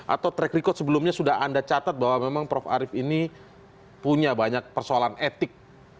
atau track record sebelumnya sudah anda catat bahwa memang prof arief ini punya banyak persoalan etik